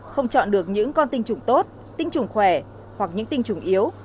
không chọn được những con tinh trùng tốt tinh trùng khỏe hoặc những tinh trùng yếu